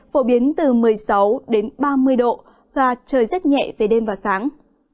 phổ biến từ một mươi sáu đến ba mươi độ và trời rất nhẹ về đêm và sáng